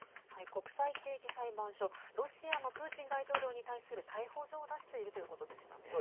国際刑事裁判所ロシアのプーチン大統領に対する逮捕状を出しているということでしたね。